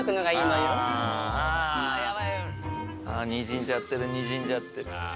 あにじんじゃってるにじんじゃってる。